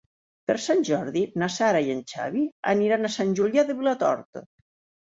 Per Sant Jordi na Sara i en Xavi aniran a Sant Julià de Vilatorta.